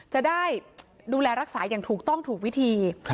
จะได้ดูแลรักษาอย่างถูกต้องถูกวิธี